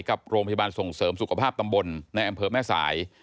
กับโรงพยาบาลส่งเสริมสุขภาพตำบลในอำเภอแม่สาย